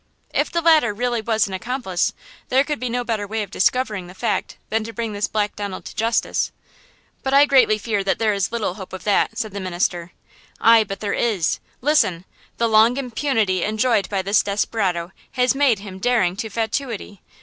"If the latter really was an accomplice, there could be no better way of discovering the fact than to bring this Black Donald to justice; but I greatly fear that there is little hope of that," said the minister. "Aye, but there is! Listen! The long impunity enjoyed by this desperado has made him daring to fatuity.